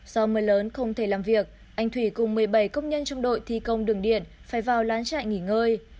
do mưa lớn không thể làm việc anh thủy cùng một mươi bảy công nhân trong đội thi công đường điện phải vào lán trại nghỉ ngơi